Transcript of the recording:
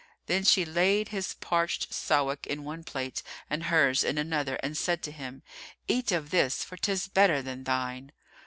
Then she laid his parched Sawik in one plate and hers in another and said to him, "Eat of this, for 'tis better than thine."